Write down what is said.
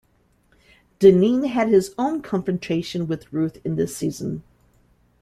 Dinneen had his own confrontation with Ruth in the season.